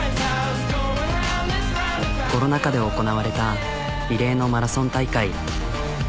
コロナ禍で行なわれた異例のマラソン大会。